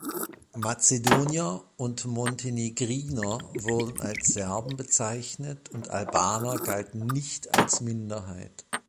Mazedonier und Montenegriner wurden als Serben bezeichnet und Albaner galten nicht als Minderheit.